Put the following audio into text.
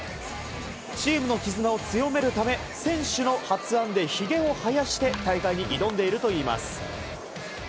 チームの絆を強めるため選手の発案でひげを生やして挑んでいるといいます。